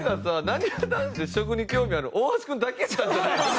なにわ男子で食に興味あるの大橋くんだけなんじゃない？